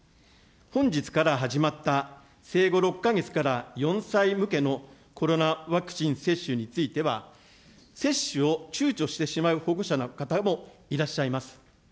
本日から始まった生後６か月から４歳向けのコロナワクチン接種については、接種をちゅうちょしてしまう保護者の方もいらっしゃいます。